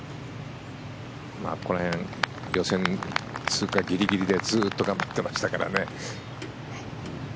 この辺、予選通過ギリギリでずっと頑張っていましたからね。